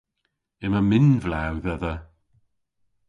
Yma minvlew dhedha.